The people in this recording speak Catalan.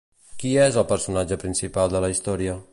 Qui és el personatge principal de la història?